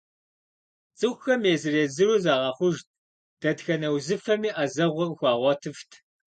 Цӏыхухэм езыр-езыру загъэхъужт, дэтхэнэ узыфэми ӏэзэгъуэ къыхуагъуэтыфт.